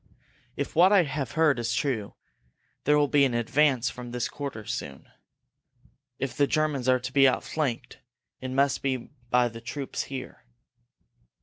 "If what I have heard is true, there will be an advance from this quarter soon," said Fred. "If the Germans are to be outflanked, it must be by the troops here.